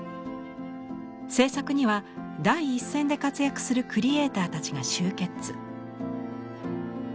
制作には第一線で活躍するクリエイターたちが集結。